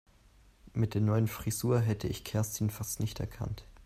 Mit der neuen Frisur hätte ich Kerstin fast nicht erkannt.